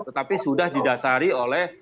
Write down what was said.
tetapi sudah didasari oleh